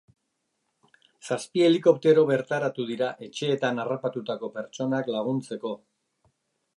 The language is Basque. Zazpi helikoptero bertaratu dira, etxeetan harrapatutako pertsonak laguntzeko.